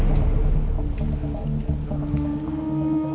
tidak ada lagi yang harus ditangkap